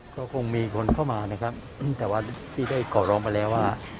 ก็คงมีคนเข้ามานะครับแต่ว่าที่ได้ขอร้องไปแล้วว่า